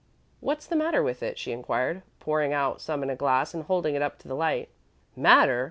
"What's the matter with it?" she inquired, pouring out some in a glass and holding it up to the light. "Matter?